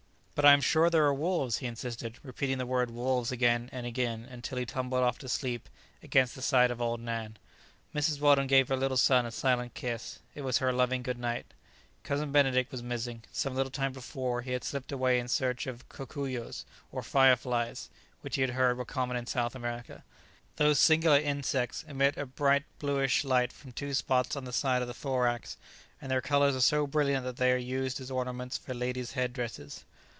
"But I am sure there are wolves," he insisted, repeating the word "wolves" again and again, until he tumbled off to sleep against the side of old Nan. Mrs. Weldon gave her little son a silent kiss; it was her loving "good night." Cousin Benedict was missing. Some little time before, he had slipped away in search of "cocuyos," or fire flies, which he had heard were common in South America. Those singular insects emit a bright bluish light from two spots on the side of the thorax, and their colours are so brilliant that they are used as ornaments for ladies' headdresses.